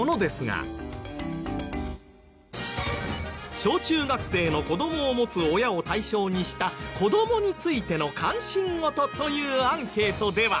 小中学生の子どもを持つ親を対象にした子どもについての関心事というアンケートでは。